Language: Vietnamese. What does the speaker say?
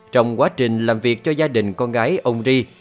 trong quá trình làm việc cho gia đình con gái ông ri